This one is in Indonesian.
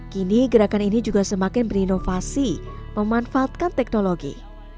kini gerakan ini juga semakin berinovasi memanfaatkan teknologi